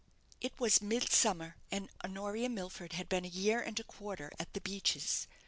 It was midsummer, and Honoria Milford had been a year and a quarter at "The Beeches."